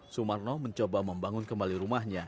sumarno mencoba membangun kembali rumahnya